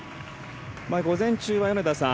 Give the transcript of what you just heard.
午前中は米田さん